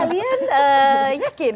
kalian ee yakin